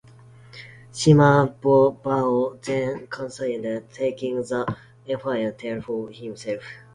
Sima Bao then considered taking the emperor title for himself.